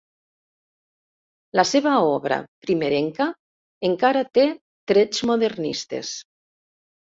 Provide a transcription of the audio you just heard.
La seva obra primerenca encara té trets modernistes.